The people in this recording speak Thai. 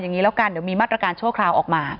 อย่างนี้แล้วกันเดี๋ยวมีมาตรการชั่วคราวออกมา